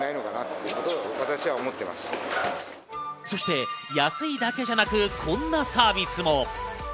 そして安いだけじゃなく、こんなサービスも。